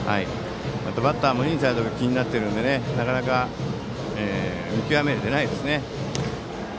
あと、バッターもインサイドが気になってるのでなかなか見極められてないですね。